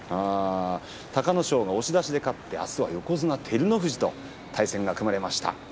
隆の勝が押し出しで勝ってあすは横綱照ノ富士との対戦が組まれました。